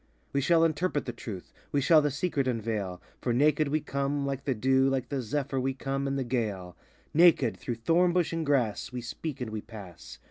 We shall interpret the Truth, We shall the Secret unveil; For naked we come, like the dew, Like the zephyr, we come, and the gale: Naked, through thorn bush and grass, We speak add we pass.